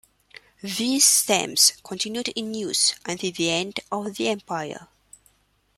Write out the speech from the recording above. These stamps continued in use until the end of the empire.